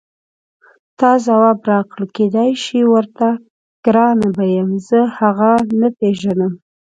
تا ځواب راکړ کېدای شي ورته ګران به یم زه هغه نه پېژنم.